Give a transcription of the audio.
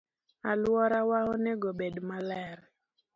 Aluorawa onego obed maler.